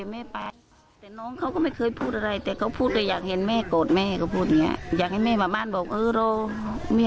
แม่ไม่สบายใจเขาก็พูดอย่างนี้